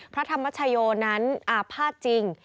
พระธรรมชโยชน์นั้นอาภาคจริง